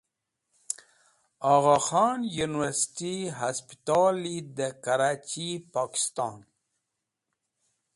Agha Khan University Hospitali de Karach Pokiston